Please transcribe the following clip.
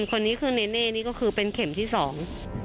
คนนี้คือเนเน่นี่ก็คือเป็นเข็มที่สอง